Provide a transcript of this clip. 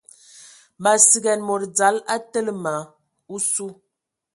Ma sigan mod dzal a tele ma osu.